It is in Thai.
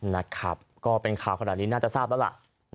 นะครับก็เป็นข่าวขนาดนี้น่าจะทราบแล้วล่ะ